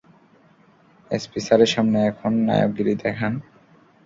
SP স্যারের সামনে এখন নায়কগিরি দেখান।